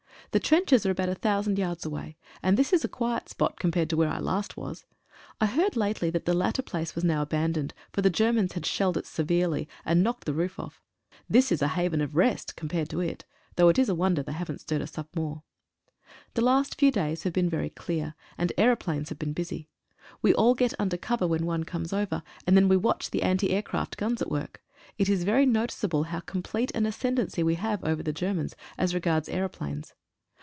The trenches are about 1,000 yards away, and this is a quiet spot compared with where I last was. I heard lately that the latter place was now abandoned, for the Germans had shelled it severely, and knocked the r~> f off. This is a haven of rest compared to it, though it is a wonder they haven't stirred us up more. The last few days have been very clear, and aero planes have been busy. We all get under cover when one comes over, then we watch the anti aircraft guns at work. It is very noticeable how complete an ascen dency we have over the Germans, as regards aeroplanes.